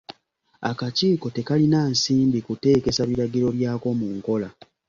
Akakiiko tekalina nsimbi kuteekesa biragiro byako mu nkola.